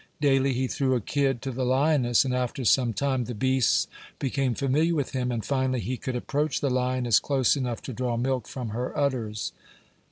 Daily he threw a kid to the lioness, and after some time the beasts became familiar with him, and finally he could approach the lioness close enough to draw milk from her udders.